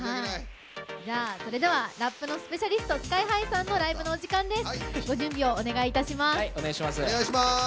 それではラップのスペシャリストＳＫＹ‐ＨＩさんのライブのお時間です。